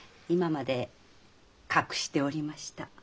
今まで隠しておりました。